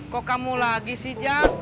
kok kamu lagi sih jak